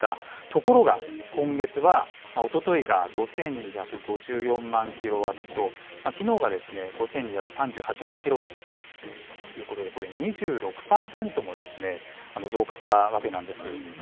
ところが、今月はおとといが５２５４万キロワット、きのうが５２３８万キロワットということで、これ、２６％も増加したわけなんです。